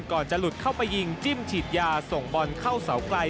ก่อนจะหลุดเข้าไปยิงจิ้มฉีดยาส่งบอลเข้าเสาไกล